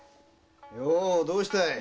ようどうしたい。